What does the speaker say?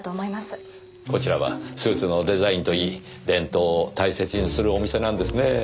こちらはスーツのデザインといい伝統を大切にするお店なんですねえ。